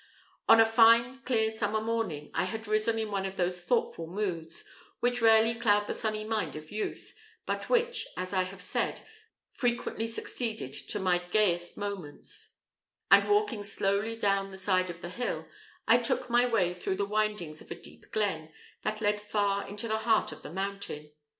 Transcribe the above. On a fine clear summer morning, I had risen in one of those thoughtful moods, which rarely cloud the sunny mind of youth, but which, as I have said, frequently succeeded to my gayest moments; and, walking slowly down the side of the hill, I took my way through the windings of a deep glen, that led far into the heart of the mountain.